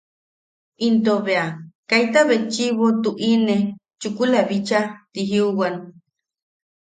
Into bea “kaita betchi’ibo tu’ine chukula bichaa”. Ti jiuwan.